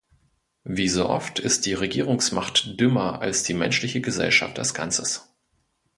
Wie so oft ist die Regierungsmacht dümmer als die menschliche Gesellschaft als Ganzes.